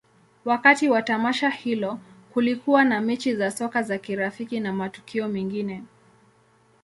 Wakati wa tamasha hilo, kulikuwa na mechi za soka za kirafiki na matukio mengine.